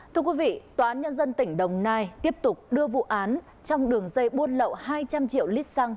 thưa quý vị tòa án nhân dân tỉnh đồng nai tiếp tục đưa vụ án trong đường dây buôn lậu hai trăm linh triệu lít xăng